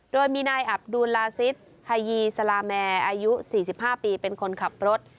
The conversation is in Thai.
โดยมีนายอับดูลาซิสไฮยีสลาแมร์อายุ๔๕ปีเป็นคนขับรถ